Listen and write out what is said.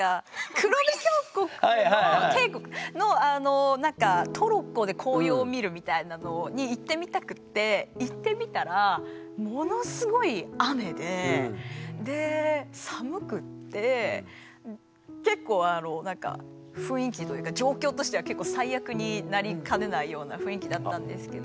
黒部峡谷のトロッコで紅葉を見るみたいなのに行ってみたくて行ってみたら結構雰囲気というか状況としては結構最悪になりかねないような雰囲気だったんですけど。